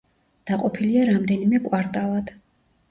დაყოფილია რამდენიმე კვარტალად.